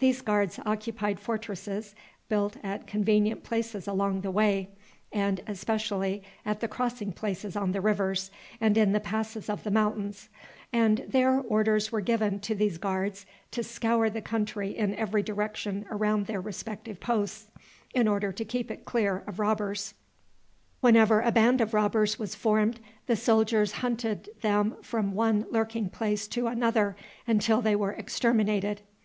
These guards occupied fortresses built at convenient places along the way, and especially at the crossing places on the rivers, and in the passes of the mountains; and there orders were given to these guards to scour the country in every direction around their respective posts, in order to keep it clear of robbers. Whenever a band of robbers was formed, the soldiers hunted them from one lurking place to another until they were exterminated.